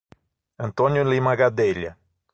Antônio Lima Gadelha